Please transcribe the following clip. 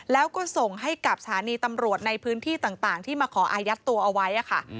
แล้วก็ส่งให้กับสถานีตำรวจในพื้นที่ต่างที่มาขออายัดตัวเอาไว้ค่ะ